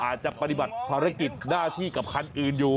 อาจจะปฏิบัติภารกิจหน้าที่กับคันอื่นอยู่